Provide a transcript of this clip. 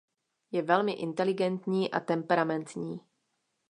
Je velmi inteligentní a temperamentní.